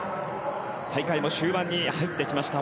大会も終盤に入ってきました。